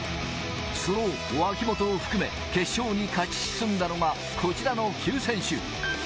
その脇本を含め、決勝に勝ち進んだのがこちらの９選手。